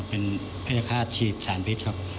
เป็นพยาฆาตฉีดสารพิษครับ